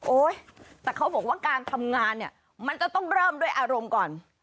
แต่เขาบอกว่าการทำงานเนี่ยมันจะต้องเริ่มด้วยอารมณ์ก่อน